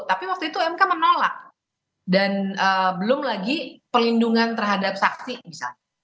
tapi waktu itu mk menolak dan belum lagi pelindungan terhadap saksi misalnya